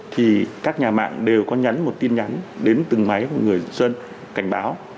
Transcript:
thì các nhà mạng đều có nhắn một tin nhắn đến từng máy của người dân cảnh báo